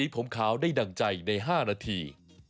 ผมขาวได้ดั่งใจใน๕นาที